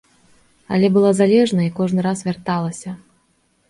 Але была залежная і кожны раз вярталася.